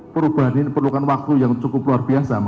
perubahan ini perlukan waktu yang cukup luar biasa